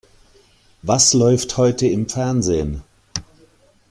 Was läuft heute im Fernsehen?